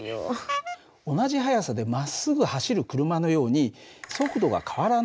同じ速さでまっすぐ走る車のように速度が変わらない運動